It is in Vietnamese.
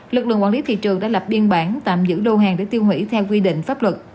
lực lượng quản lý thị trường đã lập biên bản tạm giữ lô hàng để tiêu hủy theo quy định pháp luật